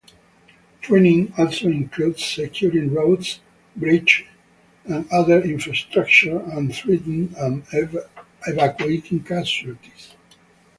Training also included securing roads, bridges, and other infrastructure and treating and evacuating casualties.